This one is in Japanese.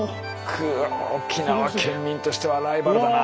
く沖縄県民としてはライバルだな。